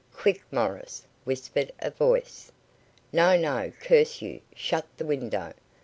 "Quick, Morris," whispered a voice. "No, no. Curse you. Shut the window.